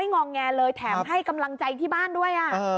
งองแงเลยแถมให้กำลังใจที่บ้านด้วย